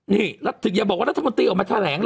นี่อย่าบอกว่ารัฐมนตรีออกมาแทรงเลย